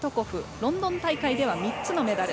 ロンドン大会では３つのメダル。